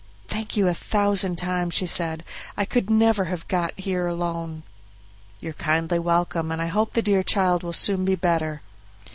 "Thank you a thousand times," she said; "I could never have got here alone." "You're kindly welcome, and I hope the dear child will soon be better."